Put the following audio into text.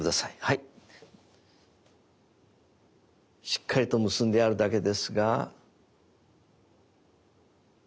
しっかりと結んであるだけですが。